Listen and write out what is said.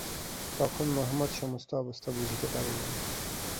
তখন মহম্মদ সমস্ত অবস্থা বুঝিতে পারিলেন।